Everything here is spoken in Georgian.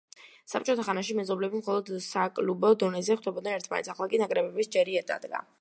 საბჭოთა ხანაში მეზობლები მხოლოდ საკლუბო დონეზე ხვდებოდნენ ერთმანეთს, ახლა კი ნაკრებების ჯერი დადგა.